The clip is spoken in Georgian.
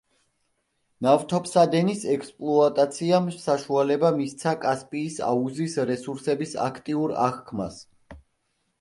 ნავთობსადენის ექსპლუატაციამ საშუალება მისცა კასპიის აუზის რესურსების აქტიურ აღქმას.